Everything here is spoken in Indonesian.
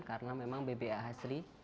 karena memang bpih asli